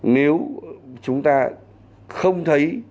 nếu chúng ta không thấy